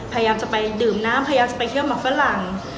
พยายามจะไปดื่มน้ำพยายามจะไปเที่ยวหมักฝรั่ง